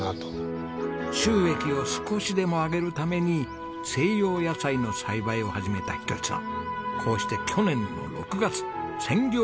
収益を少しでも上げるために西洋野菜の栽培を始めた仁さん。